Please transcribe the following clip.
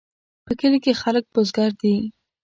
په کلي کې خلک بزګر دي